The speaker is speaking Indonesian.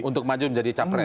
untuk maju menjadi capres